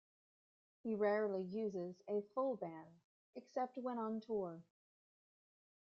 He rarely uses a full band, except when on tour.